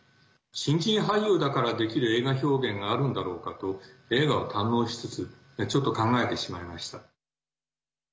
新人俳優だからできる映画表現があるんだろうかと映画を堪能しつつちょっと考えてしまいました。